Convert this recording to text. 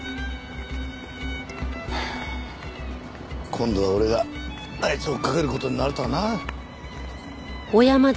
今度は俺があいつを追っかける事になるとはな。